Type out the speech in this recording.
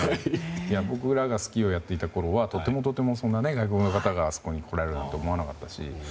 僕らがスキーをやっていたころはとてもとてもそんな外国の方が来られるなんて思わなかったし。